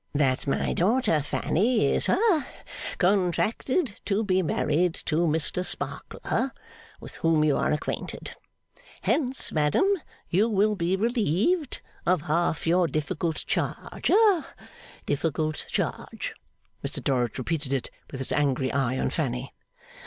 ' That my daughter Fanny is ha contracted to be married to Mr Sparkler, with whom you are acquainted. Hence, madam, you will be relieved of half your difficult charge ha difficult charge.' Mr Dorrit repeated it with his angry eye on Fanny.